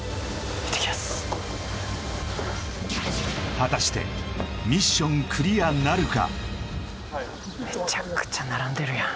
果たしてミッションクリアなるか？